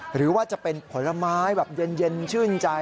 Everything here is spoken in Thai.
หรือว่าจะเป็นผลไม้แบบเย็นชื่นใจ